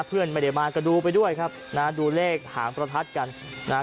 เพื่อนไม่ได้มาก็ดูไปด้วยครับนะฮะดูเลขหางประทัดกันนะฮะ